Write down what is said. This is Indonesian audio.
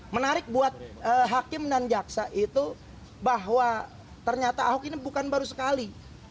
menarik buat hakim dan jaksa itu bahwa ternyata ahok ini bukan baru sekali